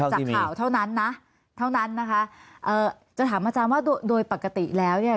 จากข่าวเท่านั้นนะเท่านั้นนะคะเอ่อจะถามอาจารย์ว่าโดยโดยปกติแล้วเนี่ย